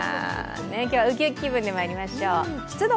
今日、ウキウキ気分でまいりましょう。